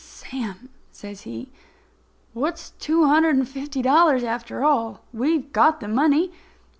"Sam," says he, "what's two hundred and fifty dollars, after all? We've got the money.